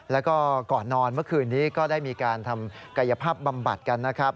แล้วก็ก่อนนอนเมื่อคืนนี้ก็ได้มีการทำกายภาพบำบัดกันนะครับ